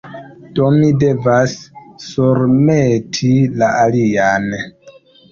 Do, mi devas surmeti la alian